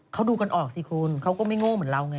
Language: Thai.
เขาดูกันออกสิคุณเขาก็ไม่โง่เหมือนเราไง